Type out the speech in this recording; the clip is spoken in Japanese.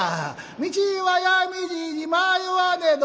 「道は闇路に迷わねど」